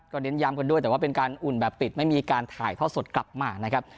เน้นย้ำกันด้วยแต่ว่าเป็นการอุ่นแบบปิดไม่มีการถ่ายทอดสดกลับมานะครับ